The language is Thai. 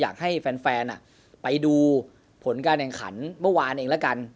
อยากให้แฟนไปดูผลการแข่งขันเมื่อวานเองแล้วกัน